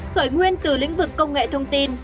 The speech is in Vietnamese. khởi nguyên từ lĩnh vực công nghệ thông tin